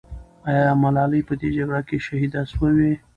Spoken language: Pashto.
آیا ملالۍ په دې جګړه کې شهیده سوه؟